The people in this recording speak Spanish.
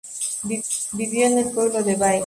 Vivió en el pueblo de Báez.